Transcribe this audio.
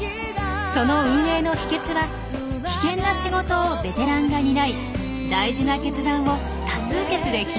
その運営の秘けつは危険な仕事をベテランが担い大事な決断を多数決で決めること。